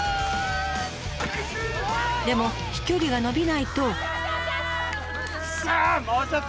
でも飛距離が伸びないと。